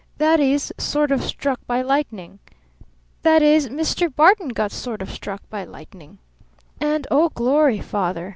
"That is sort of struck by lightning. That is, Mr. Barton got sort of struck by lightning. And oh, glory, Father!"